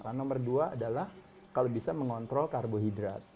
karena nomor dua adalah kalau bisa mengontrol karbohidrat